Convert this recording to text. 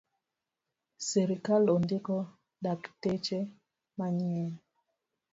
Sirkal ondiko dakteche manyien